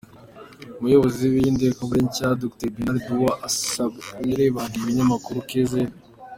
Umuyobozi w’iyi ndebakure nshya, Dr Bernard Duah Asabere yabwiye Ikinyamakuru Qz.